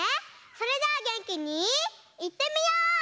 それじゃあげんきにいってみよう！